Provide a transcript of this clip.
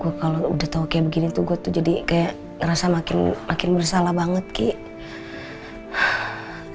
gue kalau udah tau kayak begini tuh gue tuh jadi kayak ngerasa makin bersalah banget ki